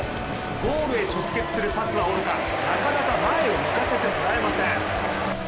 ゴールへ直結するパスはおろかなかなか前を向かせてもらえません。